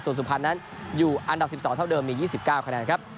ส่วนสุภัณฑ์นั้นอยู่อันดับสิบสองเท่าเดิมมียี่สิบเก้าคะแนนครับ